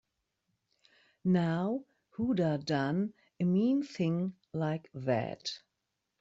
Now who'da done a mean thing like that?